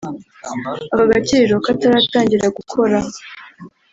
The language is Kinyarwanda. Aka Gakiriro kataratangira gukora